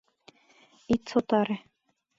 Ит сотаре!